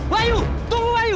wahyu tunggu wahyu